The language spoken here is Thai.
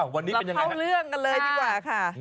วันนี้เป็นอย่างไรครับเราเท่าเรื่องกันเลยดีกว่าค่ะ